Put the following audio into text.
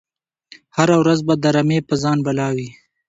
هره ورځ به د رمی په ځان بلا وي